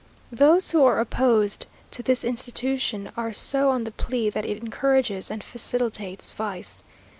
Those who are opposed to this institution, are so on the plea that it encourages and facilitates vice.